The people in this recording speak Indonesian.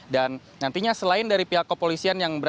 dan nantinya selain dari pihak kepolisian yang berasa